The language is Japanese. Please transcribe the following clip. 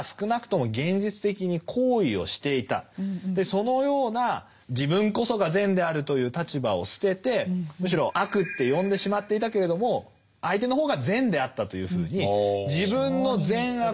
そのような「自分こそが善であるという立場を捨ててむしろ悪って呼んでしまっていたけれども相手の方が善であった」というふうに自分の善悪の判断基準もひっくり返す。